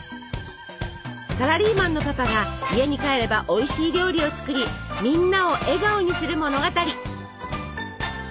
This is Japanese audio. サラリーマンのパパが家に帰ればおいしい料理を作りみんなを笑顔にする物語。